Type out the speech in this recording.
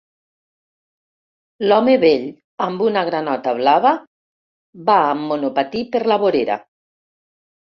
L'home vell amb una granota blava va amb monopatí per la vorera.